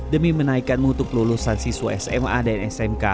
demi menaikkan mutu kelulusan siswa sma dan smk